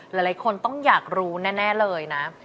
หลายคนต้องอยากรู้แน่เลยนะ